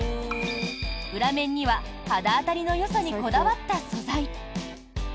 裏面には肌当たりのよさにこだわった素材。